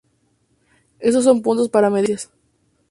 Estos son puntos para medir distancias.